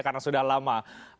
karena sudah lama